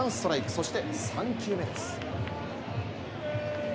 そして３球目です。